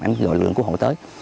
anh gọi lực lượng cứu hộ tới